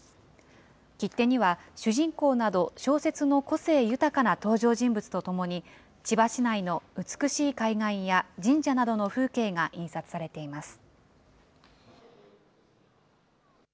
切手には、主人公など小説の個性豊かな登場人物と共に、千葉市内の美しい海岸や神社などの風景が印刷されています。